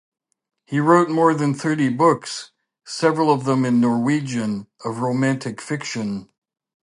He wrote more than thirty books, several of them in Norwegian, of romantic fiction.